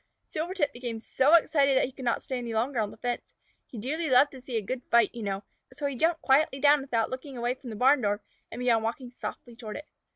Silvertip became so excited that he could not stay longer on the fence. He dearly loved to see a good fight, you know, so he jumped quietly down without looking away from the barn door, and began walking softly toward it.